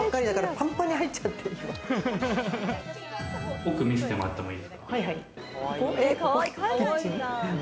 奥、見せてもらっていいですか？